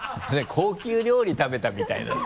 高級料理食べたみたいな。